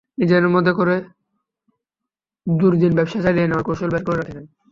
নিজেদের মতো করে দুর্দিনে ব্যবসা চালিয়ে নেওয়ার কৌশল বের করে রাখছেন।